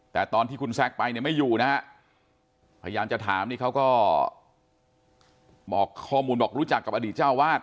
แต่ตอนที่คุณแซคไปเนี่ยไม่อยู่นะฮะพยายามจะถามนี่เขาก็บอกข้อมูลบอกรู้จักกับอดีตเจ้าวาด